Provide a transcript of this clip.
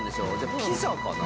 ピザかな？